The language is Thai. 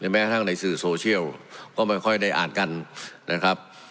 แม้ทั้งในสื่อโซเชียลก็ไม่ค่อยได้อ่านกันนะครับ